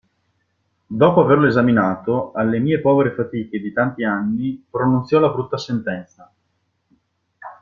Dopo averlo esaminato, alle mie povere fatiche di tanti anni pronunziò la brutta sentenza.